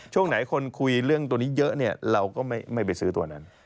ช่วงไหนคนคุยเรื่องตัวนี้เยอะเนี่ยเราก็ไม่ไปซื้อตัวนั้น